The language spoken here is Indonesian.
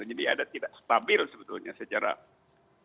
jadi ada tidak stabil sebetulnya secara ekstrim